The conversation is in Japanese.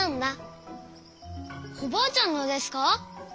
おばあちゃんのですか？